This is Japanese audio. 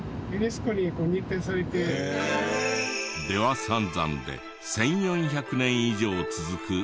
出羽三山で１４００年以上続く山岳信仰。